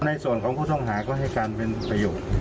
ในส่วนของผู้ต้องหาก็ให้การเป็นประโยชน์